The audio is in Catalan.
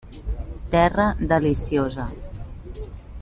Terra deliciosa.